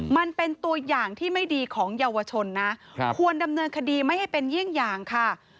มันเป็นตัวอย่างที่ไม่ดีของเยาวชนนะควรดำเนินคดีไม่ให้เป็นเยี่ยงอย่างค่ะ